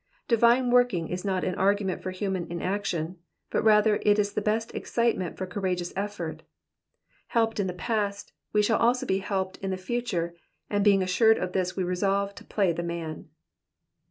Divine working is not an argument for human inaction, but rather is it the best excitement for courageous effort. Helped in the past, we shall also be helped in the future, and being assured of this we resolve to play the man.